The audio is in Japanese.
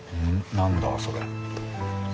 何だそれ。